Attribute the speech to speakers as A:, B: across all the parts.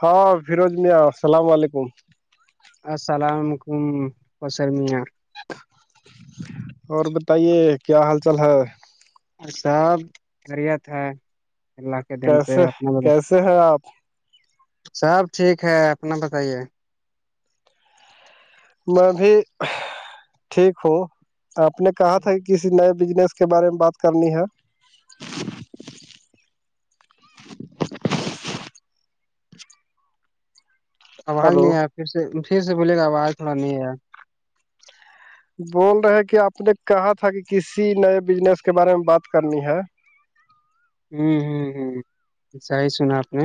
A: ہاں فیروز میاں السلام علیکم
B: السلام علیکمسر میاں
A: اور بتائیے کیا حال چال ہے
B: سب خریت ہے اللہ کے دن سے
A: کیسے
B: اپنا
A: کیسے ہیں آپ
B: سب ٹھیک ہے اپنا بتائیے
A: میں بھی ٹھیک ہوں آپ نے کہا تھا کسی نئے بزنس کے بارے میں بات کرنی ہے
B: آواز
A: ہلو
B: نہیں آیا پھر سے پھر سے بولے گا آواز تھوڑا نہیں آیا
A: بول رہے کہ آپ نے کہا تھا کہ کسی نئے بزنس کے بارے میں بات کرنی ہے
B: ہوں ہ ہ جائی سنا آپ نے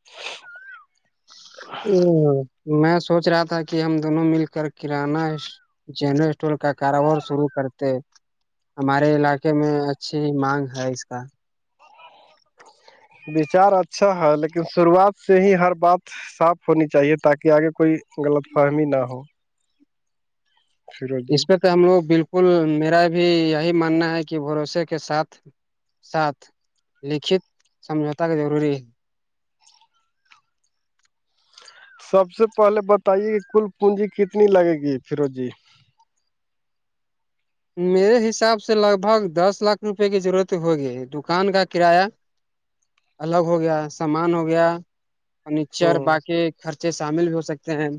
A: [inaudible]
B: ا میں سوچ رہا تھا کہ ہم دونوں مل کر کرانا ہے جن اسٹول کا کاراوار سرو کرتے ہمارے علاقے میں اچھی مانگ ہے اس کا
A: وچار اچھا ہے لیکن شروعات سے ہی ہر بات صاف ہونی چاہیے تاکہ آگے کوئی غلط فاہمی نہ ہو فیروز جی
B: اس پہ تو ہم لوگ بالکل میرا بھی یہی ماننا ہے کہ بھروسے کے ساتھ ساتھ لکھت سمجھوتا کا ضروری
A: سب سے پہلے بتے کہ کل پونجی کتنی لگے گی فیرو جی
B: میرے حساب سے لگ بھگ دس لاکھ روپے کی ضرورت ہوگی دکان کا کرایہ الگ ہو گیا سامان ہو گیا فرنیچر
A: ہوں
B: باقی خرچے شامل بھی ہو سکتے ہیں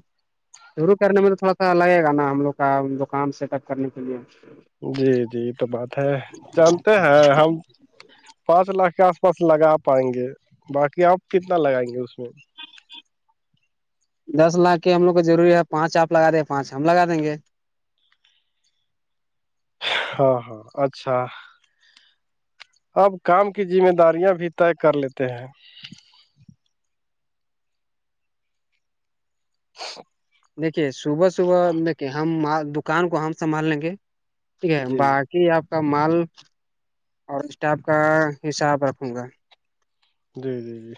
B: شروع کرنے میں تو تھوڑا سا لگے گا نا ہم لوگ کا دکان سیٹ اپ کرنے کے لیے
A: جی جی یہ تو بات ہے جانتے ہیں ہم پانچ لاکھ کا بس لگا پائیں گے باقی آپ کتنا لگائیں گے اس میں
B: دس لاکھ کے ہم لوگ کو ضروری ہے پانچ آپ لگا دیں پانچ ہم لگا دیں گے
A: ہاں ہاں اچھا اب کام کی ذمہ داریاں بھی طے کر لیتے ہیں [inaudible]
B: دیکھیے صبح صبح دیکھیے ہم دکان کو ہم سنبھال لیں گے ٹھیک ہے
A: جی
B: باق ی آپ کا مال اور اسٹاف کا حساب رکھوں گا
A: جی جی جی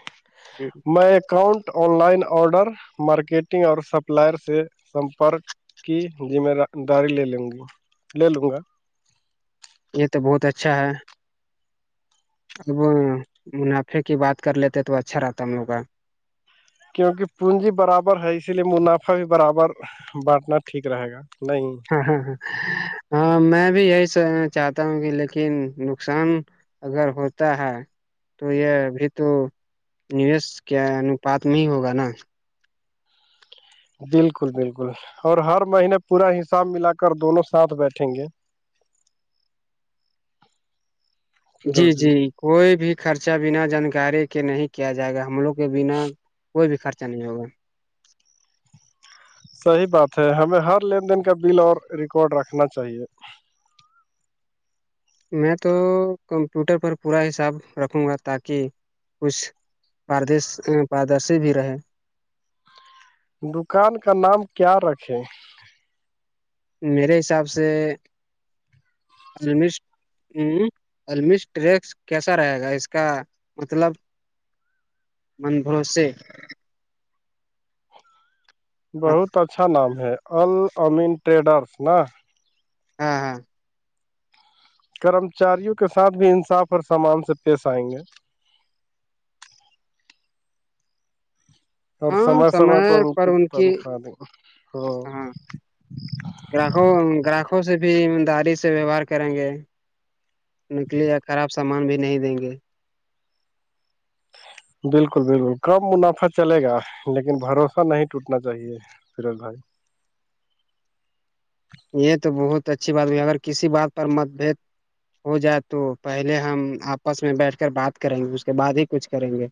B: جی
A: میں account online order marketing اور سپلائر سے سمپرک کہ جی میںا داڑی لے لوں گی لے لوں گا
B: یہ تو بہت اچھا ہے اب منافع کی بات کر لیتے تو اچھا رہتا ہم لوگ کا
A: کیونکہ پونجی برابر ہے اسی لیے منافع بھی برابر بٹنار ٹھیک رہے گا نہیں
B: ہاں ہاں ہاں ہاں میں بھی یہی س چاہتا ہوں کہ لیکن نقصان اگر ہوتا ہے تو یہ ابھی تو نویش کیا انپات میں ہی ہوگا نا
A: بالکل بالکل اور ہر مہینے پورا حساب ملا کر دونوں ساتھ بیٹھیں گے
B: جی جی کوئی بھی خرچہ بنا جانکاری کے نہیں کیا جائے گا ہم لوگ کے بنا کوئی بھی خرچہ نہیں ہوگا
A: صحی بات ہے ہمیں ہر لین دین کا بل اور ریکارڈ رکھنا چاہیے
B: میں تو کمپیوٹر پر پورا حساب رکھوں گا تاکہ کچھ پاردش پاردرشی بھی رہے
A: دکان کا نام کیا رکھے
B: میرے حساب سے الش ہ الش ٹریکس کیسا رہے گا اس کا مطلب من بھروسے
A: بہت اچھا نام ہے ال امین ٹریڈرس نا
B: ہاں ہاں
A: کرمچاریوں کے ساتھ بھی انصاف اور سامان سے پیش آئیں گے اور سمے سمے پ ان کی تنخواہ دیں
B: ہاں گراہکوں گراہکوں سے بھی داری سے ویوہار کریں گے نکلی یا خراب سامان بھی نہیں دیں گے
A: بالکل بالکل کم منافع چلے گا لیکن بھروسہ نہیں ٹوٹنا چاہیے فیروج بھائی
B: یہ تو بہت اچھی بات ہو اگر کسی بات پر مت بد ہو جائے تو پہلے ہم آپس میں بیٹھ کر بات کریں گے اس کے بعد ہی کچھ کریں گے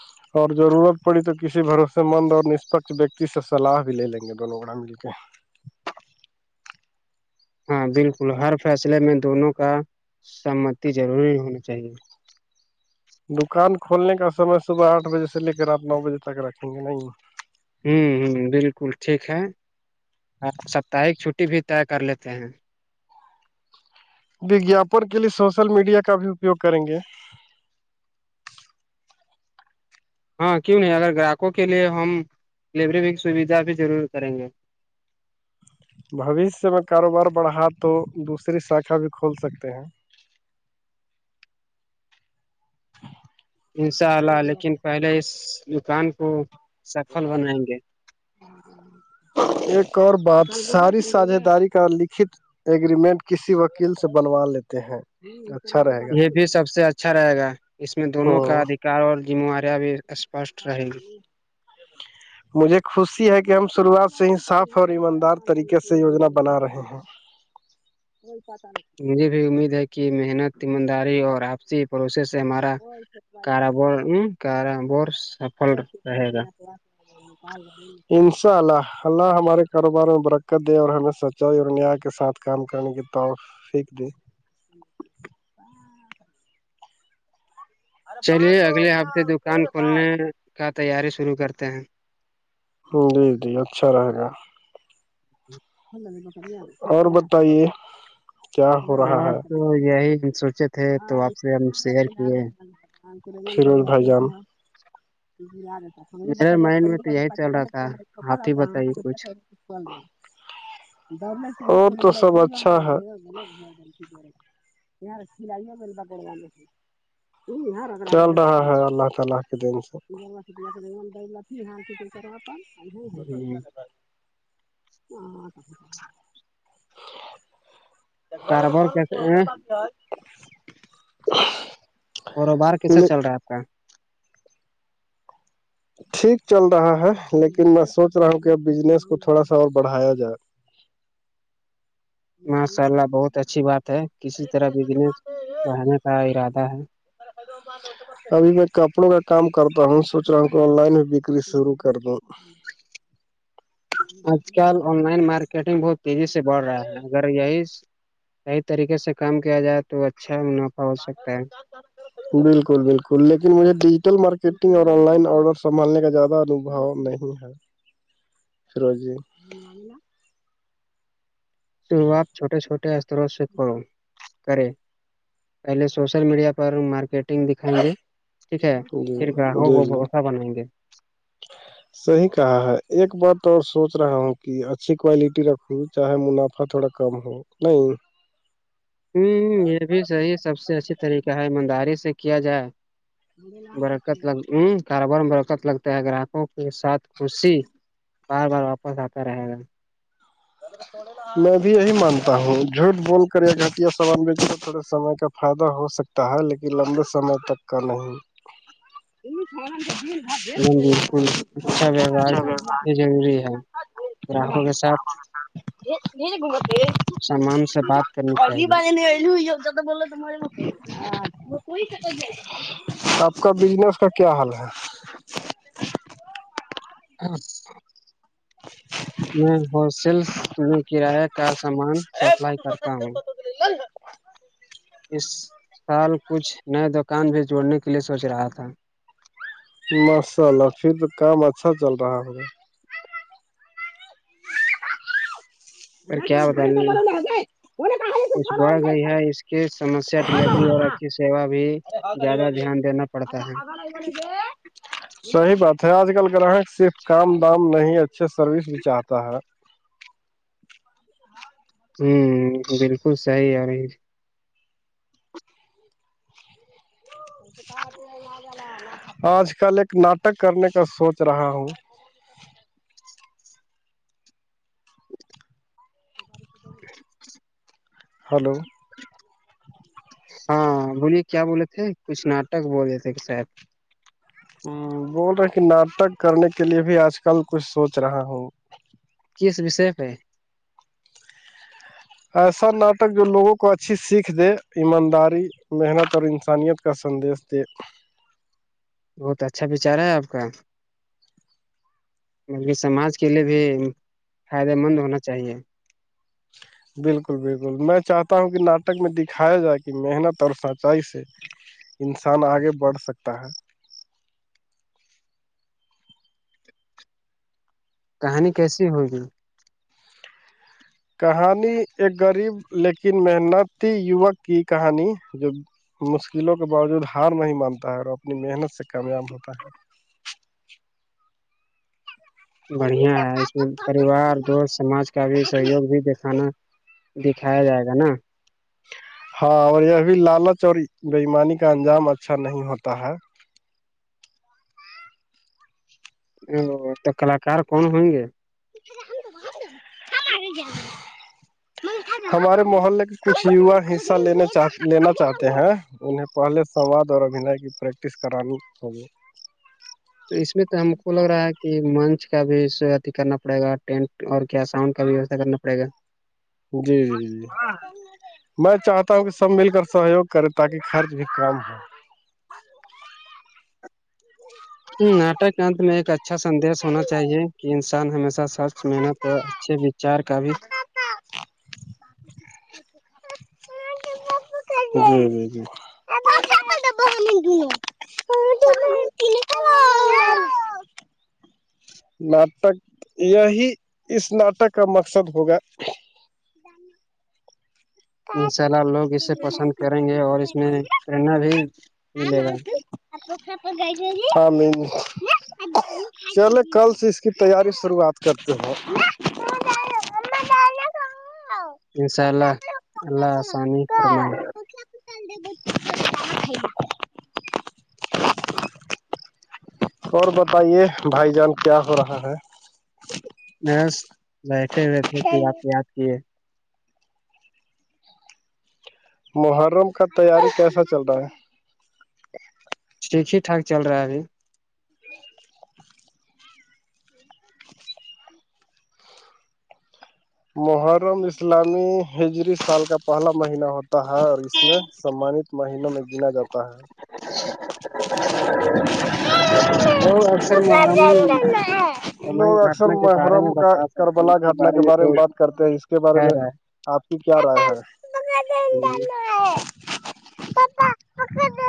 A: [inaudible] اور ضرورت پڑی تو کسی بھروسے مند اور نسپکھ ویکتی سے سلاح بھی لے لیں گے دونوں گ آ مل کے [inaudible]
B: ہاں بالکل ہر فیصلے میں دونوں کا سہمتی ضروری ہونا چاہیے
A: دکان کھولنے کا سمے صبح آٹھ بجے سے لے کے رات نو بجے تک رکھیں گے نہیں
B: ہوں ہ بالکل ٹھیک ہے آپ ساپتہک چھٹی بھی طے کر لیتے ہیں
A: وگیااپن کے لیے سوشل میڈیا کا بھی اپیوگ کریں گے
B: ہاں کیوں نہیں اگر گراہکوں کے لیے ہم ڈلیوری سویدھا بھی ضرور کریں گے
A: بھوشیہ میں کاروبار بڑھا تو دوسری شاھا بھی کھول سکتے ہیں
B: انشاء اللہ لیکن پہلے اس دکان کو سفل بنائیں گے
A: ایک اور بات ساری ساجھ داری کا لکھت ایگریمنٹ کسی وکیل سے بنوا لیتے ہیں اچھا رہے [unintelligible]
B: یہ بھی سب سے اچھا رہے گا اس میں دونوں کا
A: ہ
B: ادھیکار اور ذمواریاں بھی اسپشٹ
A: ہاں
B: رہے گی
A: ج [unintelligible] مجھے خوشی ہے کہ ہم شروعات سے ہی صاف اور ایماندار طریقے سے یوجنا بنا رہے ہیں وہئی پاتان
B: مجھے بھی امید ہے کہ محنت ایمانداری اور آپسی پروس سے ہمارا کارب کارابار سفل رہے گا
A: پ [inaudible] انشاء اللہ اللہ ہمارے کاروبار میں برکت دے اور ہمیں سچائی اور نیا کے ساتھ کام کرنے کے تو فیک د
B: چلیے اگلے ہفتے دکان کھولنے کا تیاری شروع کرتے ہیں
A: جی جی اچھا رہے گا
B: ج [inaudible]
A: اور بتائیے کیا ہو رہا
B: ہاں
A: ہے
B: تو یہی ہم سوچے تھے تو آپ سے ہم شیئر کیے
A: سیروز بھائی جام [unintelligible] ا ہم بھی
B: میرے
A: بکریا
B: مائنڈ میں
A: کولو
B: تو یہی چل رہا تھا
A: ک
B: آپ ہی بتائیے کچھ
A: پ اور تو سب اچھا ہے اں رھی لائی بلب کر اللہ تعالی کے دین سے [unintelligible]
B: اچھا [inaudible]
A: ج
B: کاروبار
A: کون
B: کیسے
A: ہوتا بات آ [unintelligible]
B: کاروبار کیسے چل رہا ہے آپ کا
A: ٹھیک چل رہا ہے لیکن میں سوچ رہا ہوں کہ اب بجنس کو تھوڑا سا اور بڑھایا جائے [inaudible]
B: ماشاء اللہ بہت اچھی بات ہے کسی طرح بزنس بڑھانے کا ارادہ ہے
A: ار [unintelligible] ابھی میں کپڑوں کا کام کرتا ہوں سوچ رہا ہوں کہ آن لائن میں بکری شروع کر دوں
B: آج کل آن لائن مارکیٹنگ بہت تیزی سے بڑھ رہا ہے اگر یہی صحیح طریقے سے کام کیا جائے تو اچھا منافع ہو سکتا ہے
A: بالکل بالکل لیکن مجھے ڈیجیٹل مارکیٹنگ اور آن لائن آڈر سنبھالنے کا زیادہ انھوؤ نہیں ہے فروزی [inaudible]
B: شروعات چھوٹے چھوٹے استروں سے کرو کرے پہل سوشل میڈیا پر مارکیٹ گ دکھائیں گے ٹھیک ہے
A: جی
B: پھر گراہوں کو بوسا بنائیں گے
A: صحی کہا ہے ایک بات اور سوچ رہا ہوں کہ اچھی کوالٹی رکھوں چاہے منافع تھوڑا کم ہو نہیں
B: ہمم یہ بھی صحیح سب سے اچھی طریقہ ہے ایمانداری سے کیا جائے برکت لگ ہ کاروبار میں برکت لگتا ہے گراہکوں کے ساتھ خشی بار بار واپس آتا رہے گا
A: تھوڑےا میں بھی یہی مانتا ہوں جھوٹ بول کر یا گھٹیا سامان بیچوں تو تھوڑے سمے کا فائدہ ہو سکتا تا ہے لیکن لمبے سمے تک کا نہیں
B: ایک دم بالکل اچھا ویوہار یہ ضروری ہے
A: ہاں
B: گراہکوں کے ساتھ
A: ا [inaudible] گومت ب
B: سامان سے بات کرنی چاہیے
A: [unintelligible] نہیں لو ج بول توے کوئی آپ کا بجنس کا کیا حال ہے
B: ہ [inaudible] میں ہول سیلس میں کراییہ کا سامان سپلائی کرتا ہوں
A: [inaudible]
B: اس سال کچھ نئے دکان بھی جوڑنے کے لیے سوچ رہا تھا
A: ماشاء اللہ پھر تو کام اچھا چل رہا ہوگا [unintelligible] [unintelligible]
B: پر کیا بتا کچھ بڑھ گئی ہے اس کی سمسیا ڈیلیوری اور اچھی سیوا بھی زیادہ دھیان دینا پڑتا ہے
A: صحیح بات ہے آج کل گراہک صرف کام دام نہیں اچھے سروس بھی چاہتا ہے [inaudible]
B: ہمم بالکل صحیح ار
A: [inaudible] آج کل ایک ناٹک کرنے کا سوچ رہا ہوں ہلو
B: ہاں بولیے کیا بولے تھے کچھ ناٹک بولے تھے کہ شاید
A: ہ بول رہے کہ ناٹک کرنے کے لیے بھی آج کل کچھ سوچ رہا ہوں
B: کس وشے پہ
A: ایسا ناٹک جو لوگوں کو اچھی سیکھ دے ایمانداری محنت اور انسانیت اس کا سندش د
B: بہت اچھا بچار ہے آپ کا مطل کہ سماج کے لیے بھی فائدے مند ہونا چاہیے
A: [inaudible] بالکل بالکل میں چاہتا ہوں کہ ناٹک میں دکھایا جائے کہ محنت اور سچائی سے انسان آگے بڑھ سکتا ہے
B: کہانی کیسی ہوگی
A: کہانی ایک غریب لیکن محنتی یوک کی کہانی جو مشکلوں کے باوجود ہار نہیں مانتا ہے اور اپنی محنت سے کامیاب ہوتا ہے
B: بڑھیا ہے اس میں پریوار دوست سماج کا بھی سہیوگ بھی دکھانا دکھایا جائے گا نا
A: ہاں اور یہ ابھی لال چووری بئیمانی کا انجام اچھا نہیں ہوتا ہے
B: او تو کلاکار کون ہئیں گے
A: [inaudible] ہمارے محلے کے کچھ یوا حصہ لا چاہ لینا چاہتے ہیں انہیں پہلے سواد اور ابھین کی پریکٹس کرانی ہوگی
B: تو اس میں تو ہم کو لگ رہا ہے کہ منچ کا بھی اھی کرنا پڑے گا ٹینٹ اور کیا ساؤنڈ کا بھی ویوا کرنا پڑے گا
A: جی جی جی میں چاہتا ہوں کہ سب مل کر سہیوگ کرے تاکہ خرچ بھی کم ہو [inaudible]
B: ناٹک انت میں ایک اچھا سندیش ہونا چاہیے کہ انسان ہمیشہ سچ محنت اور اچھے وچار کا بھی
A: [inaudible] جی جی جی [inaudible] ناٹک یہی اس ناٹک کا مقصد ہوگا [inaudible]
B: انشاء اللہ لوگ اسے پسند کریں گے اور اس میں نا بھی ملے گا
A: [unintelligible] چلے کل سے اس کی تیاری شروعات کرتے ہیں
B: انشاء اللہ اللہ آسانی فرمائے
A: [unintelligible] اور بتائیے بھائی جان کیا ہو رہا ہے
B: بںس بیٹھے ہوئےتھے کہ آپ یاد کیے
A: محرم کا تیاری کیسا چل رہا ہے
B: ٹھیک ہی ٹھاک چل رہا ہےبھی
A: [inaudible] محرم اسلامی ہجری سال کا پہلا مہینہ ہوتا ہے اور اس میں سمانت مہینوں میں گنا جاتا ہے
B: [inaudible]
A: [inaudible]
B: تو اکثر محرم کمائی
A: لوگ اکثر
B: گھٹنا کے بارے میں
A: محرم کا
B: بتا سکتے ہیں
A: کربلا
B: اس
A: گھٹنا کے بارے میں
B: تو
A: بات کرتے ہیں اس کے بارے
B: کہہ
A: میں
B: رہا
A: آپ کی کیا رائے
B: ہے
A: ہے [inaudible]